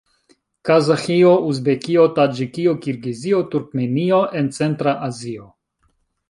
Kazaĥio, Uzbekio, Taĝikio, Kirgizio, Turkmenio en centra Azio.